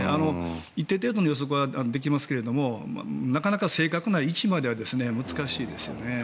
一定程度の予測はできますが正確な位置までは難しいですよね。